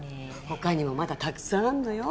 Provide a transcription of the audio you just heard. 他にもまだたくさんあんのよ。